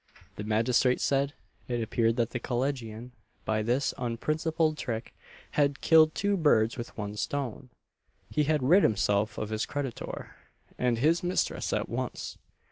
The magistrate said, it appeared that the collegian, by this unprincipled trick, had "killed two birds with one stone," he had rid himself of his creditor and his mistress at once.